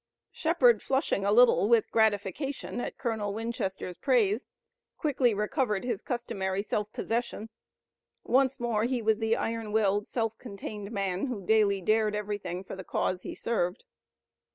Shepard flushing a little with gratification at Colonel Winchester's praise quickly recovered his customary self possession. Once more he was the iron willed, self contained man who daily dared everything for the cause he served.